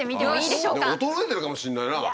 でも衰えてるかもしんないな。